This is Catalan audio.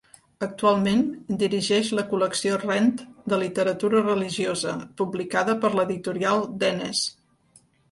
Actualment dirigeix la col·lecció Rent de literatura religiosa, publicada per l'editorial Denes.